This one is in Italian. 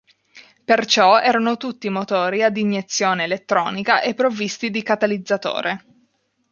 Perciò erano tutti motori ad iniezione elettronica e provvisti di catalizzatore.